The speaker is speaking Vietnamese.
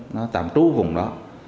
nó tạm trú vùng đó